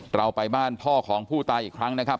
เราไปบ้านพ่อของผู้ตายอีกครั้งนะครับ